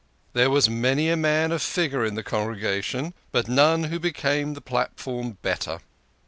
There was many a man of figure in the congregation, but none who became the platform better.